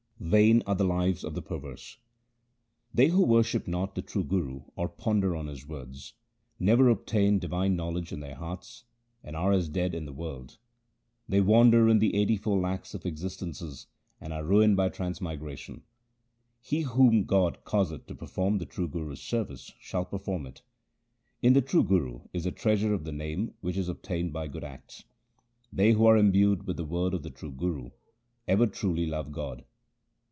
Vain are the lives of the perverse :— They who worship not the true Guru or ponder on his words, Never obtain divine knowledge in their hearts, and are as dead in the world. They wander in the eighty four lakhs of existences, and are ruined by transmigration. He whom God causeth to perform the true Guru's service shall perform it. In the true Guru is the treasure of the Name which is obtained by good acts. They who are imbued with the word of the true Guru, ever truly love God.